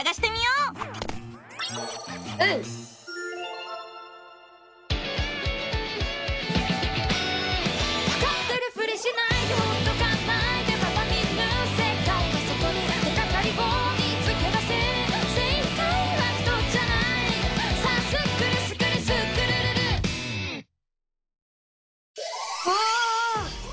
うわ！